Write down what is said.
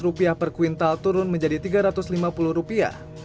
rupiah per kuintal turun menjadi tiga ratus lima puluh rupiah